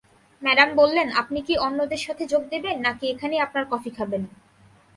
Madam বললেন, আপনি কি অন্যদের সাথে যোগ দেবেন নাকি এখানেই আপনার কফি খাবেন?